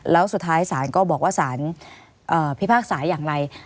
แล้วสุดท้ายศาลก็บอกว่าสารพิพากษาอย่างไร